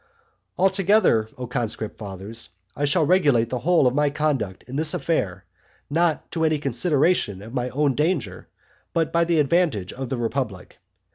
Altogether, O conscript fathers, I shall regulate the whole of my conduct in this affair, not by any consideration of my own danger, but by the advantage of the republic.